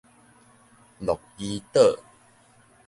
鹿兒島